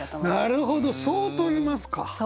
なるほどそうとりますか。